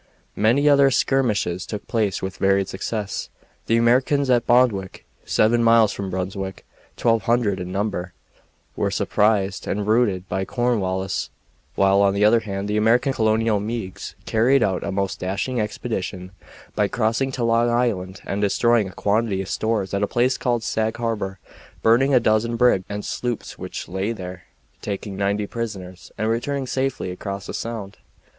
Many other skirmishes took place with varied success. The Americans at Bondwick, seven miles from Brunswick, 1200 in number, were surprised and routed by Cornwallis, while on the other hand the American Colonel Meigs carried out a most dashing expedition by crossing to Long Island and destroying a quantity of stores at a place called Sag Harbor, burning a dozen brigs and sloops which lay there, taking 90 prisoners, and returning safely across the Sound.